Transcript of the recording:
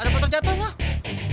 ada motor jatuh mah